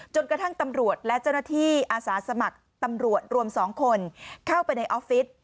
จนกระทั่งตำรวจและเจ้าหน้าที่อาสาสมัครตำรวจรวม๒คนเข้าไปในออฟฟิศ